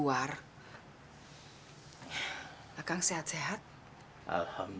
pertama kali ini saya atau saya ber carrier